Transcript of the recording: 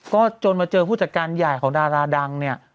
ก็จนมาเจอผู้จัดการใหญ่ของดาราดังเนี่ย